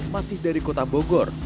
masih dari kota bogor